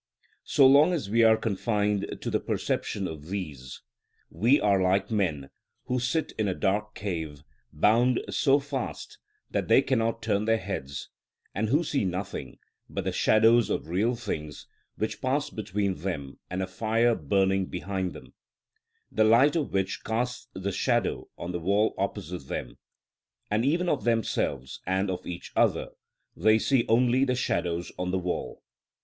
So long as we are confined to the perception of these, we are like men who sit in a dark cave, bound so fast that they cannot turn their heads, and who see nothing but the shadows of real things which pass between them and a fire burning behind them, the light of which casts the shadows on the wall opposite them; and even of themselves and of each other they see only the shadows on the wall.